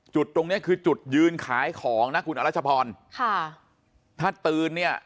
ตรงเนี้ยคือจุดยืนขายของนะคุณอรัชพรค่ะถ้าตื่นเนี่ย